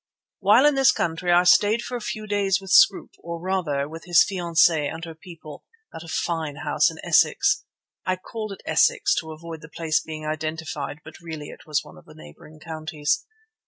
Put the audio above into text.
While in this country I stayed for a few days with Scroope, or, rather, with his fiancée and her people, at a fine house in Essex. (I called it Essex to avoid the place being identified, but really it was one of the neighbouring counties.)